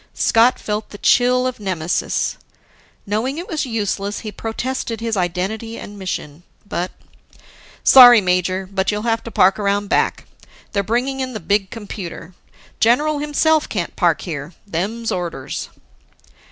Scott felt the chill of nemesis. Knowing it was useless, he protested his identity and mission. But, "Sorry, major. But you'll have to park around back. They're bringing in the big computer. General himself can't park here. Them's orders."